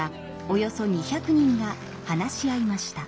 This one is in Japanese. およそ２００人が話し合いました。